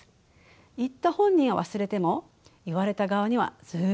言った本人は忘れても言われた側にはずっと残ります。